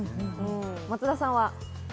松田さんは？